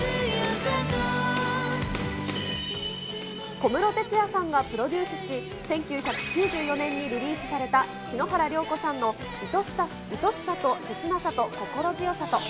小室哲哉さんがプロデュースし、１９９４年にリリースされた、篠原涼子さんの恋しさとせつなさと心強さと。